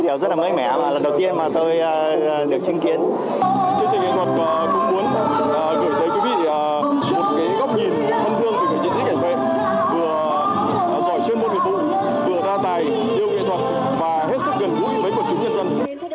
vừa giỏi trên môn nghiệp vụ vừa đa tài đều nghệ thuật và hết sức gần gũi với quần chúng nhân dân